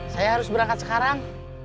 saya harus berangkat sekarang